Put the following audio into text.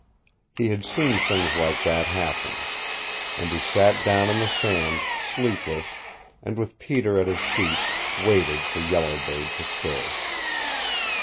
He had seen things like that happen. And he sat down in the sand, sleepless, and with Peter at his feet waited for Yellow Bird to stir.